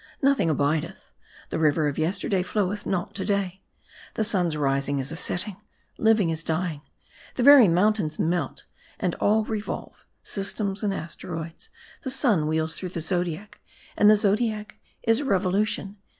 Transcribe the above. Nothing abideth ; the river of yester day floweth not to day ; the sun's rising is a setting ; living is dying ; the very mountains melt ; and all revolve : sys tems and asteroids ; the sun wheels through the zodiac, and the zodiac is a revolution.